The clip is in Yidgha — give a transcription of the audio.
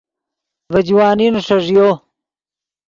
ڤے جوانی نیݰݱیو